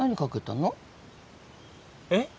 えっ？